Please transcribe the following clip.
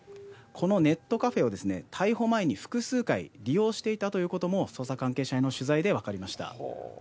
このネットカフェを逮捕前に複数回、利用していたということも捜査関係者への取材で分かりました。